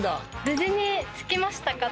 「無事に着きましたか？」